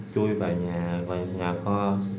chui vào nhà vào nhà kho